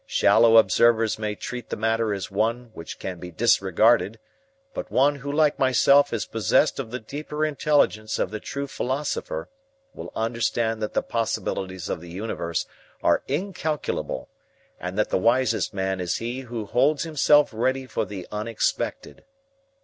Shallow observers may treat the matter as one which can be disregarded, but one who like myself is possessed of the deeper intelligence of the true philosopher will understand that the possibilities of the universe are incalculable and that the wisest man is he who holds himself ready for the unexpected.